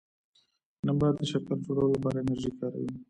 نبات د شکر جوړولو لپاره انرژي کاروي